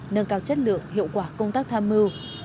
nâng cao chất lượng hiệu quả công tác tham mưu